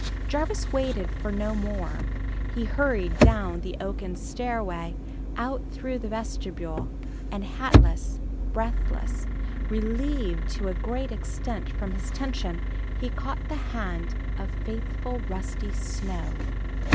Jarvis waited for no more. He hurried down the oaken stairway, out through the vestibule, and hatless, breathless relieved to a great extent from his tension he caught the hand of faithful Rusty Snow.